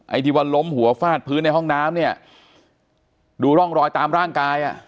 ที่ว่าล้มหัวฟาดพื้นในห้องน้ำเนี่ยดูร่องรอยตามร่างกายอ่ะ